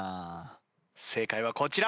正解はこちら。